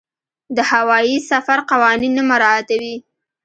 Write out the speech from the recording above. د هوايي سفر قوانین نه مراعاتوي.